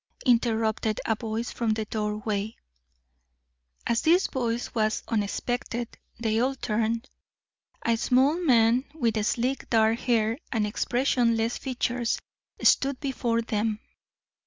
interrupted a voice from the doorway. As this voice was unexpected, they all turned. A small man with sleek dark hair and expressionless features stood before them.